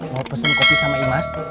mau pesen kopi sama imas